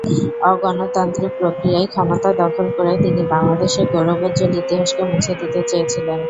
অগণতান্ত্রিক প্রক্রিয়ায় ক্ষমতা দখল করে তিনি বাংলাদেশের গৌরবোজ্জ্বল ইতিহাসকে মুছে দিতে চেয়েছিলেন।